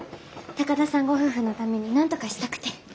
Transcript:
高田さんご夫婦のためになんとかしたくて。